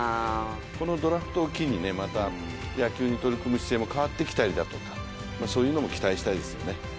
このドラフトを機に野球に取り組む姿勢も変わってきたりだとかそういうのも期待したいですね。